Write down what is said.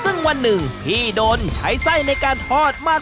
ซึ่งวันหนึ่งพี่โดนใช้ไส้ในการทอดมาถึง๗๐โลต่อวันเลยทีเดียวครับ